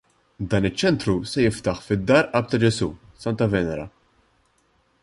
Dan iċ-ċentru se jiftaħ fid-Dar Qalb ta' Ġesù, Santa Venera.